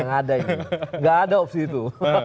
nggak ada opsi itu